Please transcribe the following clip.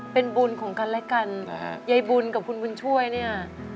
เป็นบุญของกันและกันยายบุญกับคุณบุญช่วยเนี่ย